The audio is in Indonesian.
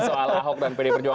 soal ahok dan pdip